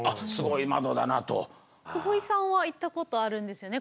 久保井さんは行ったことあるんですよね。